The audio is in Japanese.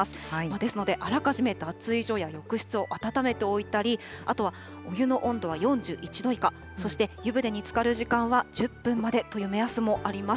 ですので、あらかじめ脱衣所や浴室を暖めておいたり、あとはお湯の温度は４１度以下、そして湯船につかる時間は１０分までという目安もあります。